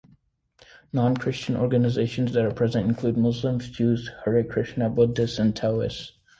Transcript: Non-Christian organizations that are present include Muslims, Jews, Hare Krishna, Buddhists and Taoists.